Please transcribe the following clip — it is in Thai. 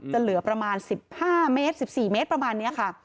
เหลือประมาณ๑๕เมตร๑๔เมตรประมาณนี้ค่ะ